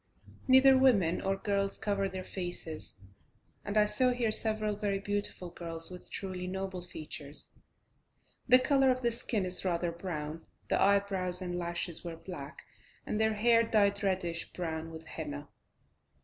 Neither women or girls cover their faces, and I saw here several very beautiful girls with truly noble features. The colour of the skin is rather brown, the eyebrows and lashes were black, and the hair dyed reddish brown with henna.